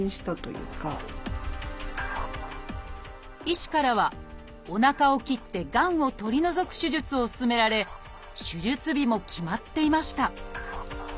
医師からはおなかを切ってがんをとり除く手術を勧められ手術日も決まっていました